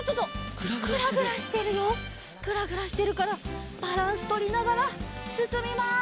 グラグラしてるからバランスとりながらすすみます。